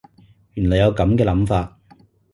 原來有噉樣嘅諗法